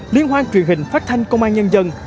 liên hoan truyền hình phát thanh công an nhân dân